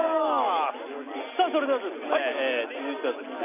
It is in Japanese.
さあそれでは続いてはですね